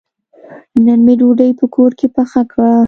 نن مې ډوډۍ په کور کې پخه کړه.